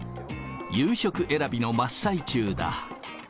夕食選びの真っ最中だ。